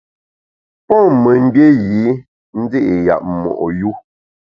Pon memgbié yî ndi’ yap mo’ yu.